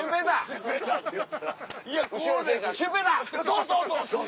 そうそうそうそう。